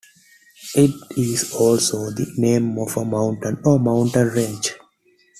It is also the name of a mountain or mountain range.